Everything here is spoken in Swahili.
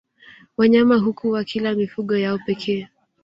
Wanyama huku wakila mifugo yao pekee